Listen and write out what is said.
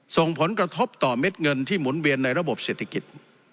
ส่งผลกระทบต่อเม็ดเงินที่หมุนเวียนในระบบเศรษฐกิจ